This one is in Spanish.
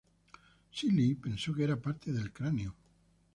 Seeley pensó que era parte del cráneo.